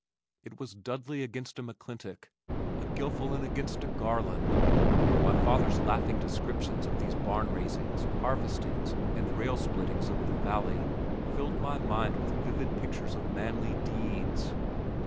It was a Dudley against a McClintock, a Gilfillan against a Garland, and my father's laughing descriptions of the barn raisings, harvestings and railsplittings of the valley filled my mind with vivid pictures of manly deeds.